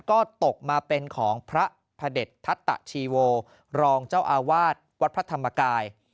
ก็ตกมาเป็นของพระพระเด็จทัตตะชีโวรองเจ้าอาวาสวัดพระธรรมกาย